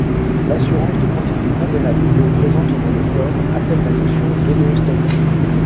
L'assurance de quantités convenables d'eau présente dans le corps appelle la notion d'homéostasie.